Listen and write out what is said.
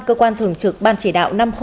cơ quan thường trực ban chỉ đạo năm trăm linh